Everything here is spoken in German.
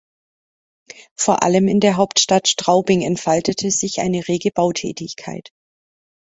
Vor allem in der Hauptstadt Straubing entfaltete sich eine rege Bautätigkeit.